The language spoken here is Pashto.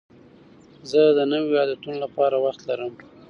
زه د نویو عادتونو لپاره وخت لرم.